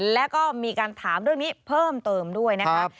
แล้วก็มีการถามเรื่องนี้เพิ่มเติมด้วยนะครับ